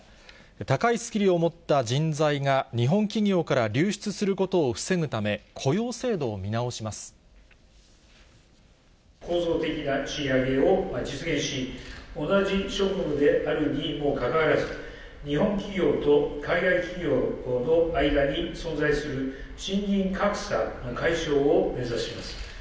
高いスキルを持った人材が日本企業から流出することを防ぐため、構造的な賃上げを実現し、同じ職務であるにもかかわらず、日本企業と海外企業の間に存在する賃金格差の解消を目指します。